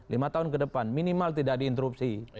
lima tahun ke depan minimal tidak di interupsi